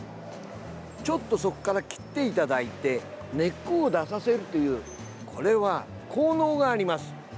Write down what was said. ちょっとそこから切っていただいて根っこを出させるというこれは効能があります。